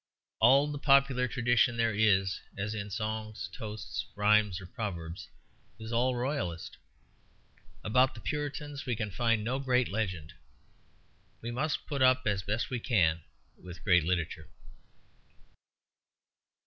All the popular tradition there is, as in songs, toasts, rhymes, or proverbs, is all Royalist. About the Puritans we can find no great legend. We must put up as best we can with great literature.